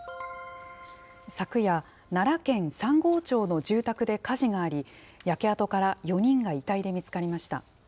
昨夜、奈良県三郷町の住宅で火事があり、焼け跡から４人が遺体で見つかりました。